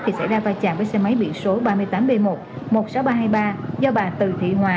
thì xảy ra va chạm với xe máy biển số ba mươi tám b một một mươi sáu nghìn ba trăm hai mươi ba do bà từ thị hòa